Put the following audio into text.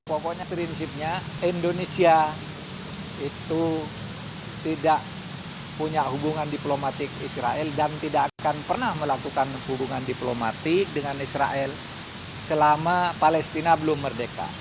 pokoknya prinsipnya indonesia itu tidak punya hubungan diplomatik israel dan tidak akan pernah melakukan hubungan diplomatik dengan israel selama palestina belum merdeka